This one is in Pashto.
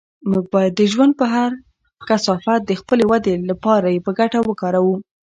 موږ باید د ژوند هر کثافت د خپلې ودې لپاره په ګټه وکاروو.